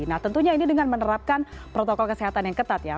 nah tentunya ini dengan menerapkan protokol kesehatan yang ketat ya